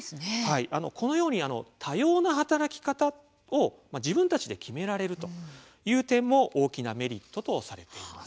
このように多様な働き方を自分たちで決められるという点も大きなメリットとされています。